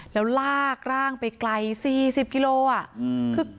แล้วลากร่างไปไกล๔๐กิโลอ่ะ